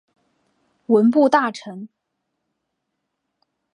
文部大臣。